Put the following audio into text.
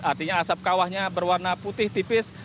artinya asap kawahnya berwarna putih tipis